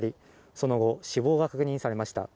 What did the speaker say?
その後死亡が確認されました